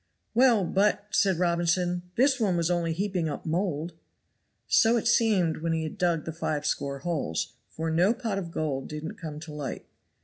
"Well, but," said Robinson, "this one was only heaping up mould." "So it seemed when he had dug the five score holes, for no pot of gold didn't come to light.